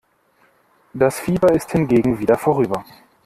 Das Fieber ist hingegen wieder vorüber.